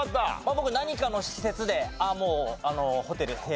僕「何かの施設」であっもうホテル部屋。